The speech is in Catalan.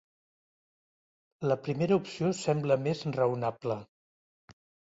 La primera opció sembla més raonable.